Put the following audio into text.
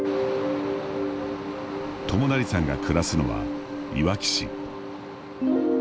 知成さんが暮らすのはいわき市。